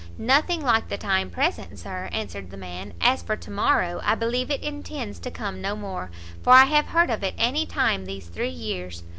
"Nothing like the time present, Sir," answered the man; "as for to morrow, I believe it intends to come no more; for I have heard of it any time these three years.